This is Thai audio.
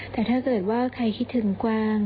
แต่ถ้าเกิดว่าใครคิดถึงกวาง